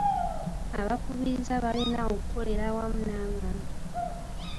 Abakubiriza balina okukolera awamu n'abantu.